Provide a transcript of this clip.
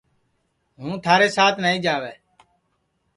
ہوں تھارے سات نائی جاوے